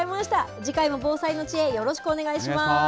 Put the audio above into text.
次回も防災の知恵、よろしくお願いします。